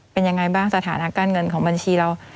เป็นยังไงบ้างสถานะการเงินของบัญชีเรา